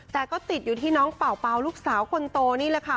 แต่ก็ติดอยู่ที่น้องเป่าลูกสาวคนโตนี่แหละค่ะ